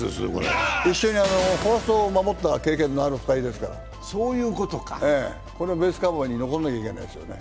一緒にファーストを守った経験のある２人ですから、これはベースカバーに残らなきゃいけないですね。